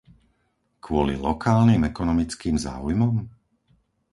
Kvôli lokálnym ekonomickým záujmom?